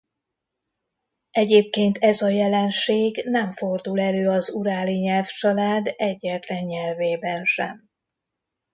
Egyébként ez a jelenség nem fordul elő az uráli nyelvcsalád egyetlen nyelvében sem.